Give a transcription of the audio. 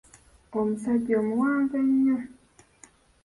Omusajja omuwanvu ennyo.